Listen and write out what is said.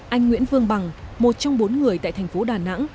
anh nguyễn vương bằng một trong bốn người tại thành phố đà nẵng